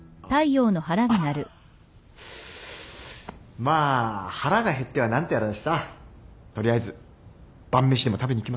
まあ腹が減っては何とやらだしさ取りあえず晩飯でも食べに行きます？